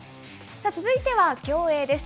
続いては競泳です。